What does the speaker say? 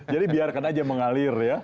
jadi biarkan saja mengalir ya